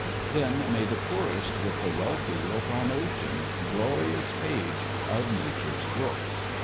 Then may the poorest with the wealthy look On ocean, glorious page of Nature's book!